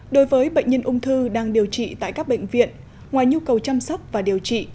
đối với bệnh nhân ung thư đang điều trị tại các bệnh viện ngoài nhu cầu chăm sóc và điều trị